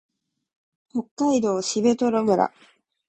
北海道蘂取村